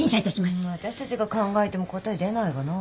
私たちが考えても答え出ないわな。